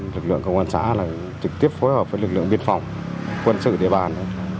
lực lượng công an xã trực tiếp phối hợp với lực lượng biên phòng quân sự địa bàn